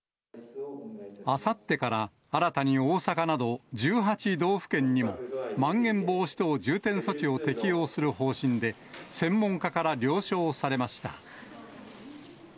あさってから新たに大阪など１８道府県にも、まん延防止等重点措置を適用する方針で、専門家から了承されました。